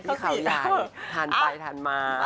ที่เขาใหญ่ทานไปทานมา